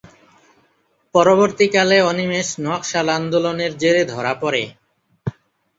পরবর্তীকালে অনিমেষ নকশাল আন্দোলনের জেরে ধরা পড়ে।